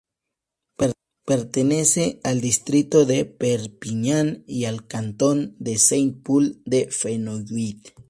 Pertenece al distrito de Perpiñán y al cantón de Saint-Paul-de-Fenouillet.